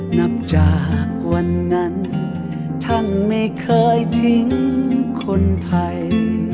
นับจากวันนั้นท่านไม่เคยทิ้งคนไทย